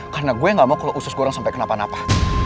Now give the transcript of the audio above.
karena gue gak mau kalau usus gue orang sampai kenapa napa